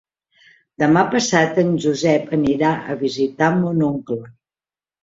Demà passat en Josep anirà a visitar mon oncle.